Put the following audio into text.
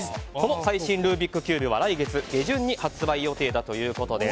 最新ルービックキューブは来月下旬に発売予定だということです。